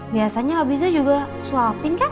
biasanya abisnya juga swapping kan